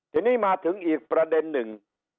ทีนี้มาถึงอีกประเด็นหนึ่ง